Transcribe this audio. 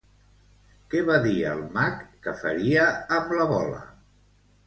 Què va dir el mag que faria amb la bola?